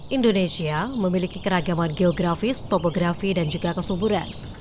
indonesia memiliki keragaman geografis topografi dan juga kesuburan